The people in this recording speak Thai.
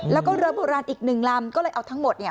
แล้วก็เรือโบราณอีกหนึ่งลำก็เลยเอาทั้งหมดเนี่ย